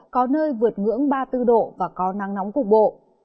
có nơi vượt ngưỡng ba mươi bốn độ và có nắng nóng cục bộ